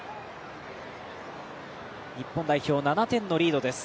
日本代表、７点のリードです